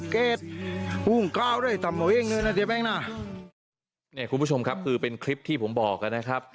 คุณผู้ชมครับคือเป็นคลิปที่ผมบอกนะครับ